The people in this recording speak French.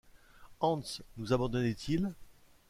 Hans nous abandonnait-il ?